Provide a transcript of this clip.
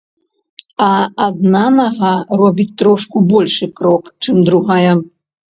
А адна нага робіць трошку большы крок, чым другая.